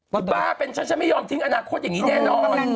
คุณบ้าเป็นฉันฉันไม่ยอมทิ้งอนาคตอย่างนี้แน่นอน